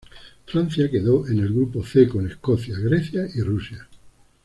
Francia quedó en el grupo C con Escocia, Grecia y Rusia.